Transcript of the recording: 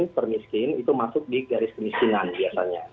termiskin itu masuk di garis kemiskinan biasanya